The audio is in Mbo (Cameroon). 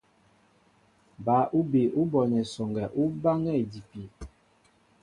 Bǎ bi ú bonɛ esɔŋgɛ ú báŋɛ́ idipi.